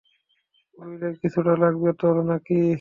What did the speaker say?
উইলেরও কিছুটা লাগবে তো নাকি!